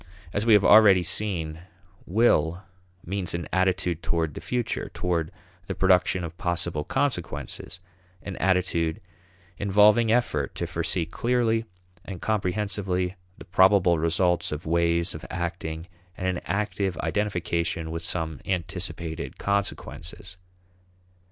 As we have already seen, will means an attitude toward the future, toward the production of possible consequences, an attitude involving effort to foresee clearly and comprehensively the probable results of ways of acting, and an active identification with some anticipated consequences.